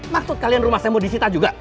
maksud kalian rumah saya mau disita juga